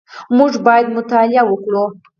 موږ باید مطالعه وکړو